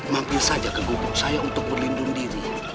mampir saja ke gubuk saya untuk berlindung diri